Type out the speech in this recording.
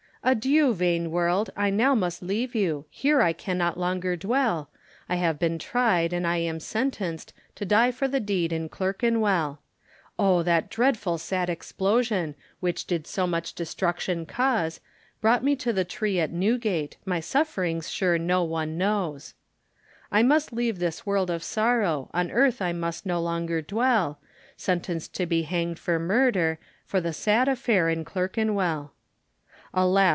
Adieu, vain world, I now must leave you, Here I cannot longer dwell, I have been tried, and I am sentenced To die for the deed in Clerkenwell; Oh! that dreadful sad explosion, Which did so much destruction cause, Brought me to the tree at Newgate, My sufferings sure no one knows. I must leave this world of sorrow, On earth I must no longer dwell, Sentenced to be hanged for murder, For the sad affair in Clerkenwell. Alas!